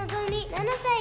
７歳。